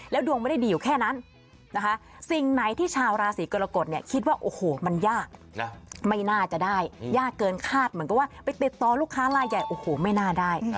ดวงไม่ได้ดีอยู่แค่นั้นนะคะสิ่งไหนที่ชาวราศีกรกฎเนี่ยคิดว่าโอ้โหมันยากไม่น่าจะได้ยากเกินคาดเหมือนกับว่าไปติดต่อลูกค้าลายใหญ่โอ้โหไม่น่าได้